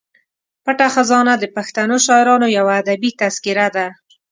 پټه خزانه د پښتنو شاعرانو یوه ادبي تذکره ده.